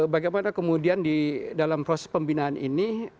bagaimana kemudian di dalam proses pembinaan ini